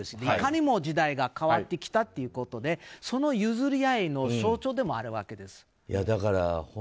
いかにも時代が変わってきたということでその譲り合いの象徴でもあるわけです。